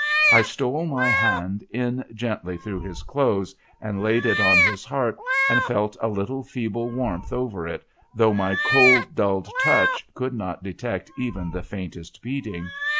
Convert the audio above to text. I stole my hand in gendy through his clothes and laid it on his heart, and felt a little feeble warmth over it, though my cold dulled touch could not detect even the faintest beating.